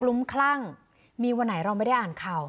ลุ้มคลั่งมีวันไหนเราไม่ได้อ่านข่าว